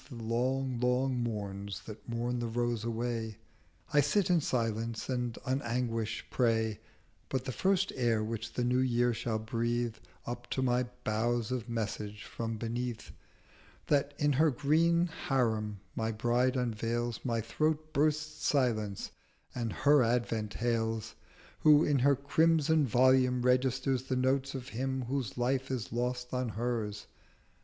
The long, long Morns that mourn the Rose away I sit in silence, and on Anguish prey: But the first Air which the New Year shall breathe 210 Up to my Boughs of Message from beneath That in her green Harim my Bride unveils, My Throat bursts silence and her Advent hails, Who in her crimson Volume registers The Notes of Him whose Life is lost in hers.